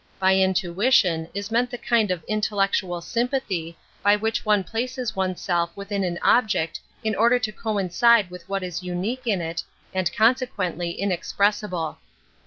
By intuition is meant the kind i of intellectual sympathy by which one'^' places oneself within an object in order to coincide with what is unique in it and con sequently inexpressible.